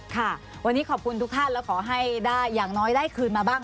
ค่ะวันนี้ขอบคุณทุกท่านแล้วขอให้ได้อย่างน้อยได้คืนมาบ้าง